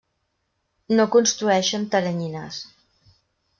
No construeixen teranyines.